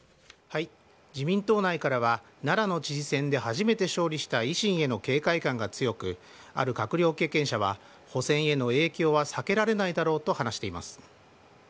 自民党内からは、奈良の知事選で初めて勝利した維新への警戒感が強く、ある閣僚経験者は、補選への影響は避けられないだろうと話しています。